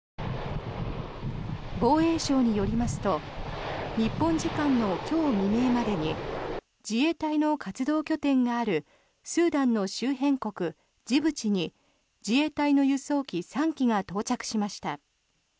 防衛省によりますと日本時間の今日未明までに自衛隊の活動拠点があるスーダンの周辺国ジブチに自衛隊の輸送機３機が到着しました。